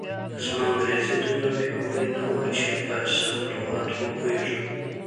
زما انګریزي دومره پیاوړې نه وه چې په سم لغت و پوهېږم.